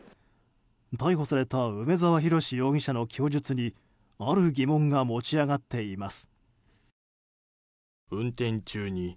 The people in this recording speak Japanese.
逮捕された梅沢洋容疑者の供述にある疑問が持ち上がっています。